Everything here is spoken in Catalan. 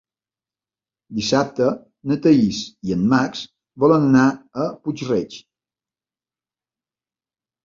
Dissabte na Thaís i en Max volen anar a Puig-reig.